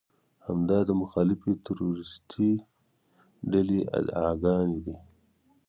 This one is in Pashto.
همدا د مخالفې تروريستي ډلې ادعاګانې دي.